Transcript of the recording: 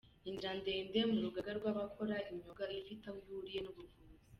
Inzira ndende mu rugaga rw’abakora imyuga ifite aho ihuriye n’ubuvuzi.